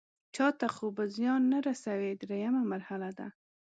چاته خو به زیان نه رسوي دریمه مرحله ده.